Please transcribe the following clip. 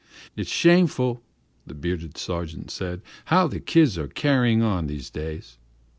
"It's shameful," the bearded sergeant said, "how the kids are carryin' on these days.